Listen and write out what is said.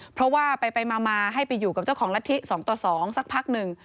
เพราะว่าไปมาให้ไปอยู่กับเจ้าของละทิ๒ต่อ๒สักพักหนึ่ง